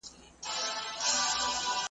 ترانه یې لا تر خوله نه وه وتلې ,